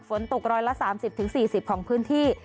ฝนตกร้อยละ๓๐๔๐ของพื้นที่